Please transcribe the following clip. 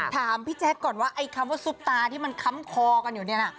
ถามพี่แจ๊คก่อนว่าไอ้คำว่าซุปตาที่มันค้ำคอกันอยู่เนี่ยนะ